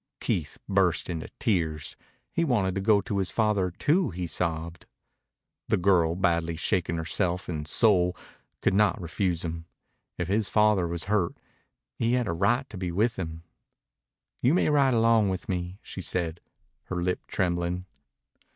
Keith burst into tears. He wanted to go to his father too, he sobbed. The girl, badly shaken herself in soul, could not refuse him. If his father was hurt he had a right to be with him. "You may ride along with me," she said, her lip trembling.